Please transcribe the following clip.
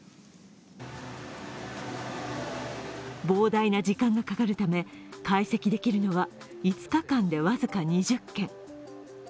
膨大な時間がかかるため、解析できるのは５日間で、僅か２０件。